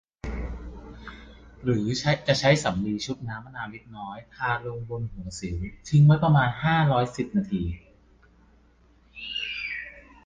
หรือจะใช้สำลีชุบน้ำมะนาวเล็กน้อยทาลงบนหัวสิว ทิ้งไว้ประมาณ ห้าร้อยสิบ นาที